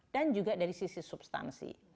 dan juga dari sisi substansi